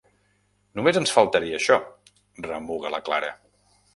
Només ens faltaria això! —remuga la Clara.